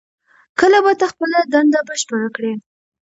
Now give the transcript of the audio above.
کله به ته خپله دنده بشپړه کړې؟